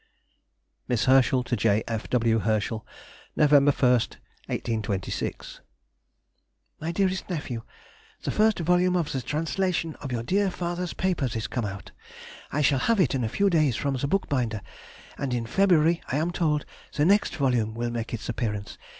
MISS HERSCHEL TO J. F. W. HERSCHEL. Nov. 1, 1826. MY DEAREST NEPHEW,— The 1st vol. of the translation of your dear father's papers is come out. I shall have it in a few days from the bookbinder, and in February, I am told, the next volume will make its appearance.